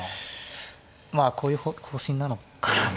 まあこういう方針なのかなという。